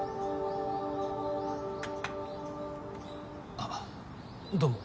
あっどうも。